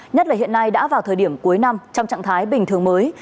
nhất là hiện nay đã vào thời điểm cuối năm trong trạng thái bình thường mới